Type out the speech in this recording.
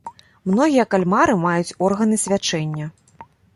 Многія кальмары маюць органы свячэння.